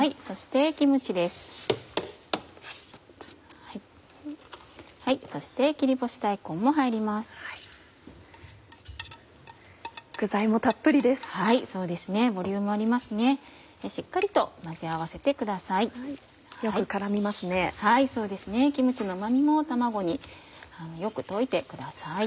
キムチのうま味も卵によく溶いてください。